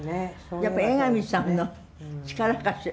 やっぱ江上さんの力かしら。